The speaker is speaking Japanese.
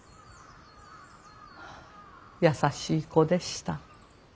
優しい子でした。